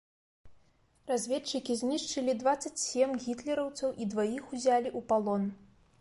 Разведчыкі знішчылі дваццаць сем гітлераўцаў і дваіх узялі ў палон.